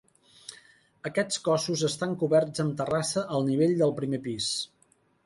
Aquests cossos estan coberts amb terrassa al nivell del primer pis.